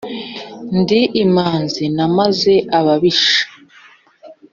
Ndi imanzi namaze ababisha,